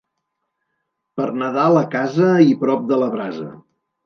Per Nadal a casa i prop de la brasa.